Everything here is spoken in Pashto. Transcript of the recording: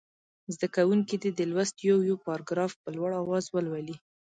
زده کوونکي دې د لوست یو یو پاراګراف په لوړ اواز ولولي.